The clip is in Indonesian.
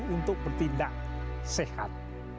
untuk bertindak sehat